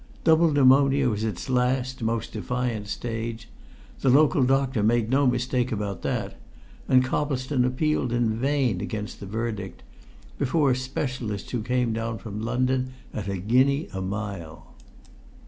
Double pneumonia was its last, most definite stage; the local doctor made no mistake about that, and Coplestone appealed in vain against the verdict, before specialists who came down from London at a guinea a mile.